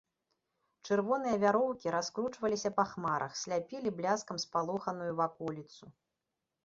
Чырвоныя вяроўкі раскручваліся па хмарах, сляпілі бляскам спалоханую ваколіцу.